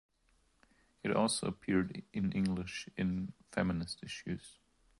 It also appeared in English in "Feminist Issues".